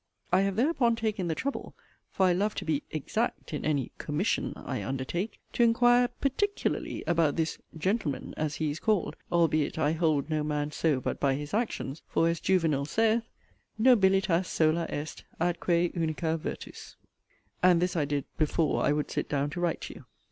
I have thereupon taken the trouble (for I love to be 'exact' in any 'commission' I undertake) to inquire 'particularly' about this 'gentleman,' as he is called (albeit I hold no man so but by his actions: for, as Juvenal saith, 'Nobilitas sola est, atque unica virtus') And this I did 'before' I would sit down to write to you.